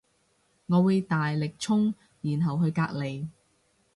我會大力衝然後去隔籬